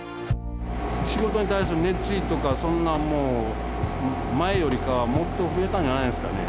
仕事に対する熱意とかそんなんもう前よりかはもっと増えたんじゃないですかね。